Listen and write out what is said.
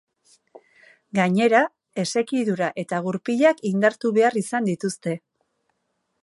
Gainera, esekidura eta gurpilak indartu behar izan dituzte.